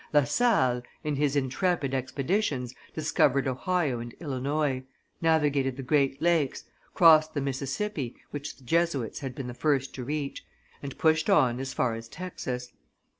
La Salle, in his intrepid expeditions, discovered Ohio and Illinois, navigated the great lakes, crossed the Mississippi, which the Jesuits had been the first to reach, and pushed on as far as Texas.